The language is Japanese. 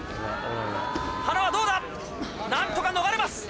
塙どうだ⁉何とか逃れます。